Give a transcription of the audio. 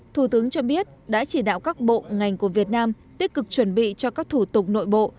thủ tướng cho biết đã chỉ đạo các bộ ngành của việt nam tích cực chuẩn bị cho các thủ tục nội bộ